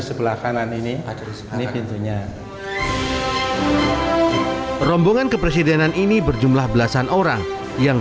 sebelah kanan ini ada di sini pintunya rombongan kepresidenan ini berjumlah belasan orang yang